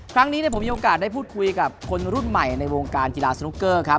ครั้งนี้ผมมีโอกาสได้พูดคุยกับคนรุ่นใหม่ในวงการกีฬาสนุกเกอร์ครับ